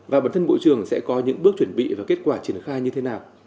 và bản thân bộ trưởng sẽ có những bước chuẩn bị và kết quả triển khai như thế nào